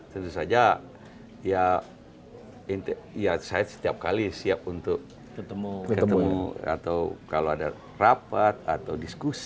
tentu saja ya saya setiap kali siap untuk ketemu atau kalau ada rapat atau diskusi